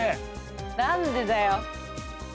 何でだよ。